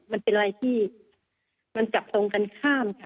มันเป็นอะไรที่มันจับตรงกันข้ามค่ะ